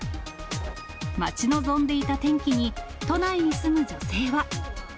待ち望んでいた天気に、都内に住む女性は。